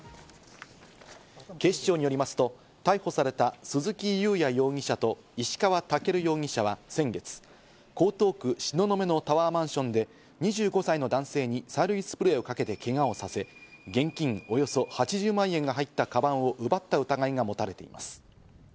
警視庁によりますと逮捕された鈴木雄也容疑者と石川健容疑者は先月、江東区東雲のタワーマンションで２５歳の男性に催涙スプレーをかけてけがをさせ、現金およそ８０万円が入ったかばんを奪った疑いが持たれています。